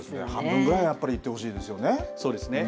半分ぐらいいってほしいですよね。